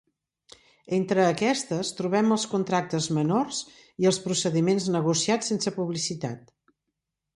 Entre aquestes trobem els contractes menors i els procediments negociats sense publicitat.